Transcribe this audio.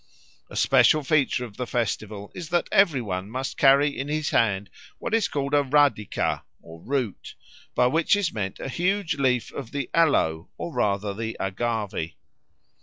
_ A special feature of the festival is that every one must carry in his hand what is called a radica ( "root"), by which is meant a huge leaf of the aloe or rather the agave.